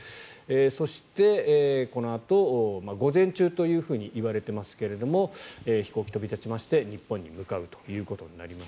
そして、このあと午前中といわれていますけれど飛行機が飛び立ちまして日本に向かうことになります。